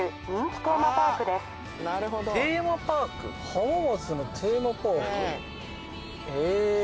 浜松のテーマパーク？